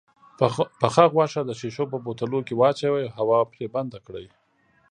پخه غوښه د شيشو په بوتلو کې واچوئ او هوا پرې بنده کړئ.